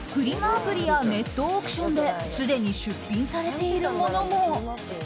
アプリやネットオークションですでに出品されているものも。